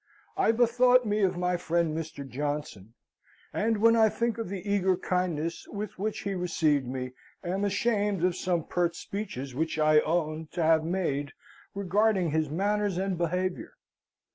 I bethought me of my friend Mr. Johnson, and when I think of the eager kindness with which he received me, am ashamed of some pert speeches which I own to have made regarding his manners and behaviour.